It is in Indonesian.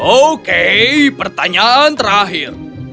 oke pertanyaan terakhir